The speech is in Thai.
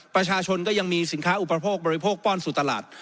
ประชาชนก็ยังมีสินค้าอุปโภคบริโภคป้อนสู่ตลาด